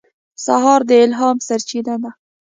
سهار د الهام سرچینه ده.